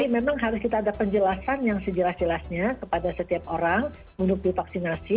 jadi memang harus kita ada penjelasan yang sejelas jelasnya kepada setiap orang untuk divaksinasi